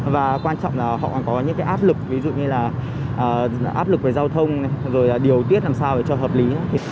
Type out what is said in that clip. và quan trọng là họ có những cái áp lực ví dụ như là áp lực về giao thông rồi là điều tiết làm sao để cho hợp lý